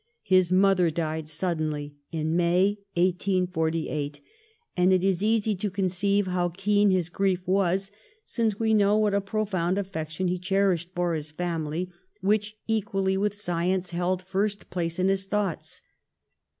His mother died suddenly, in May, 1848, and it is easy to conceive how keen his grief was, since we know what a profound affection he cherished for his family, which, equally with science, held first place in his thoughts.